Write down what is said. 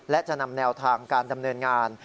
และจะนำแนวทางการดำเนินงาน